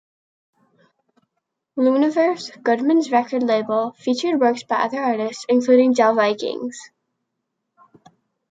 Luniverse, Goodman's record label, featured works by other artists, including the Del-Vikings.